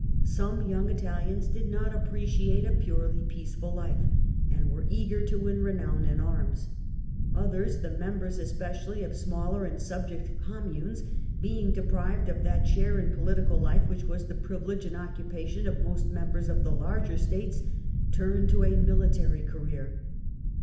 Some young Italians did not appreciate a purely peaceful life and were eager to win renown in arms ; others, the mem bers especially of smaller and subject communes, being deprived of that share in political life which was the privilege and occupation of most members of the larger States, turned to a military career.